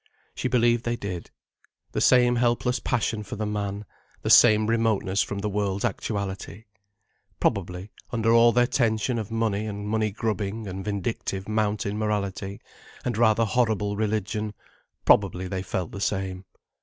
She believed they did. The same helpless passion for the man, the same remoteness from the world's actuality? Probably, under all their tension of money and money grubbing and vindictive mountain morality and rather horrible religion, probably they felt the same.